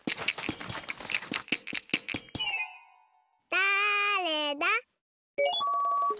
だれだ？